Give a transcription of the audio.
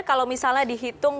kalau misalnya dihitung